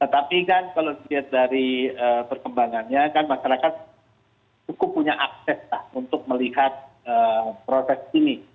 tetapi kan kalau dilihat dari perkembangannya kan masyarakat cukup punya akses untuk melihat proses ini